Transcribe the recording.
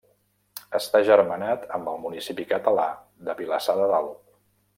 Està agermanat amb el municipi català de Vilassar de Dalt.